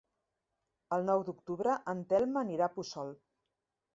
El nou d'octubre en Telm anirà a Puçol.